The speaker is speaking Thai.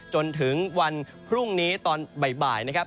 จนถึงวันพรุ่งนี้ตอนบ่ายนะครับ